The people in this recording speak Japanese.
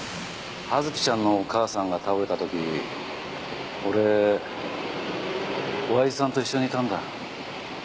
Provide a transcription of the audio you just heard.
葉月ちゃんのお母さんが倒れた時俺親父さんと一緒にいたんだ。